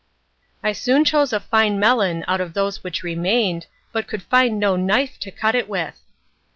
I soon chose a fine melon out of those which remained, but could find no knife to cut it with.